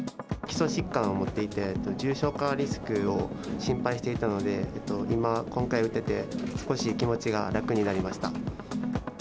基礎疾患を持っていて、重症化リスクを心配していたので、今、今回打てて、少し気持ちが楽になりました。